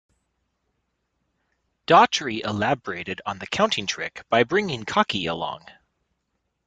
Daughtry elaborated on the counting trick by bringing Cocky along.